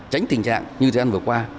tránh tình trạng như thế ăn vừa qua